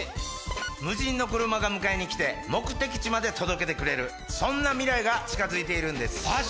無人の車が迎えに来て目的地まで届けてくれるそんな未来が近づいているんですマジ